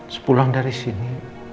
sepulang dari sini